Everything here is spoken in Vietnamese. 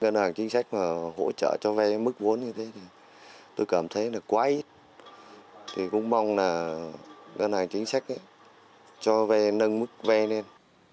ngân hàng chính sách mà hỗ trợ cho vây mức vốn như thế tôi cảm thấy là quá ít thì cũng mong là ngân hàng chính sách cho vây nâng mức vây lên